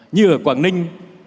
như ở quảng ninh